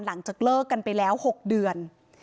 หลังจากเลิกกันไปแล้ว๖เดือน